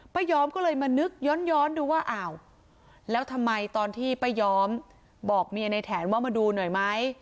ยอมก็เลยมานึกย้อนดูว่าอ้าวแล้วทำไมตอนที่ป้ายอมบอกเมียในแถนว่ามาดูหน่อยไหม